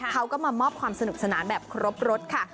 เขาก็มามอบความสนุกสนานแบบครบรถค่ะ